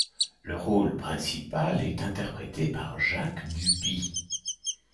Le rôle principal est interprété par Jacques Duby.